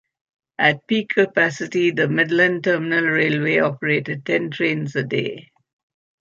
At peak capacity, the Midland Terminal Railway operated ten trains a day.